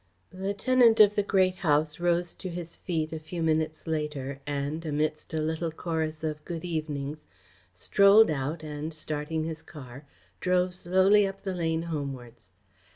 The tenant of the Great House rose to his feet a few minutes later, and, amidst a little chorus of "good evenings", strolled out and, starting his car, drove slowly up the lane homewards.